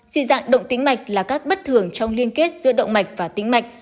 chỉ dạng động tính mạch là các bất thường trong liên kết giữa động mạch và tính mạch